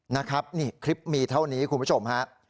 นะครับนี่คลิปมีเท่านี้คุณผู้ชมฮะ